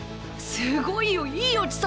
すごいよいいよ千里！